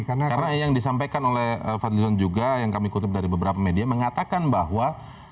karena yang disampaikan oleh fadlizon juga yang kami kutip dari beberapa media mengatakan bahwa